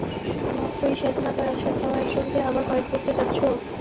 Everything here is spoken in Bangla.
মাত্রই স্বাধীনতার আস্বাদ পাওয়া একজনকে আবার কয়েদ করতে চাচ্ছ?